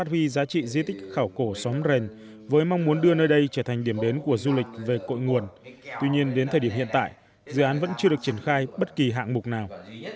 trường muốn đưa nơi đây trở thành điểm đến của du lịch về cội nguồn tuy nhiên đến thời điểm hiện tại dự án vẫn chưa được triển khai bất kỳ hạng mục nào